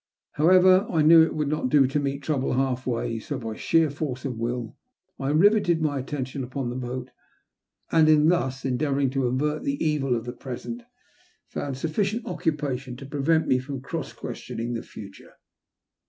However, I knew it would not do to meet trouble half way, so by sheer force of will I rivetted my attention upon the boat, and in thas endeavouring to avert the evil of the present, found sufficient occupation to prevent me from cross question ing the future.